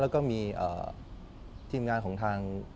แล้วก็มีทีมงานของทาง